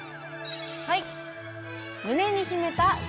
はい！